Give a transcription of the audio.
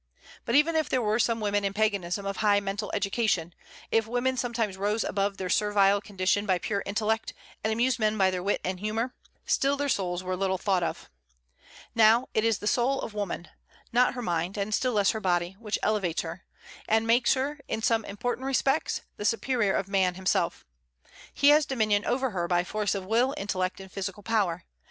But even if there were some women in Paganism of high mental education, if women sometimes rose above their servile condition by pure intellect, and amused men by their wit and humor, still their souls were little thought of. Now, it is the soul of woman not her mind, and still less her body which elevates her, and makes her, in some important respects, the superior of man himself. He has dominion over her by force of will, intellect, and physical power.